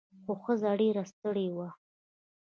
خو ښځه ډیره ستړې وه.